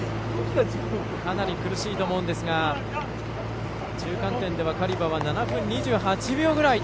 かなり苦しいと思うんですが中間点ではカリバは７分２８秒ぐらい。